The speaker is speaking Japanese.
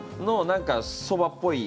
何かそばっぽい